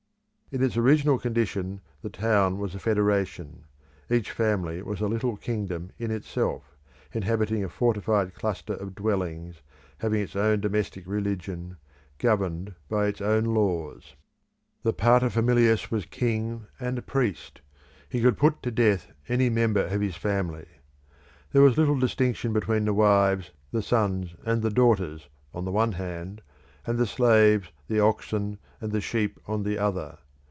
In its original condition the town was a federation. Each family was a little kingdom in itself, inhabiting a fortified cluster of dwellings, having its own domestic religion, governed by its own laws. The paterfamilias was king and priest; he could put to death any member of his family. There was little distinction between the wives, the sons, and the daughters, on the one hand, and the slaves, the oxen, and the sheep on the other.